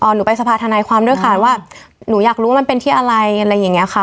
หนูไปสภาธนายความด้วยค่ะว่าหนูอยากรู้ว่ามันเป็นที่อะไรอะไรอย่างเงี้ยค่ะ